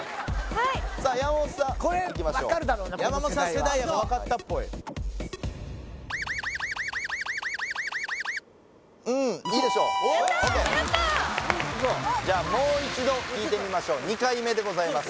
はいさあ山本さんいきましょう山本さん世代やから分かったっぽいうんいいでしょうやったやったじゃもう一度聴いてみましょう２回目でございます